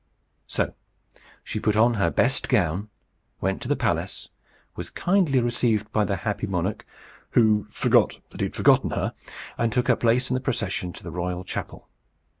So she put on her best gown, went to the palace, was kindly received by the happy monarch, who forgot that he had forgotten her, and took her place in the procession to the royal chapel.